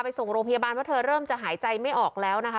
ส่งโรงพยาบาลเพราะเธอเริ่มจะหายใจไม่ออกแล้วนะคะ